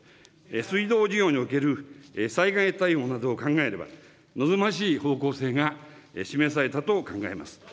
水道事業における災害対応などを考えれば、望ましい方向性が示されたと考えます。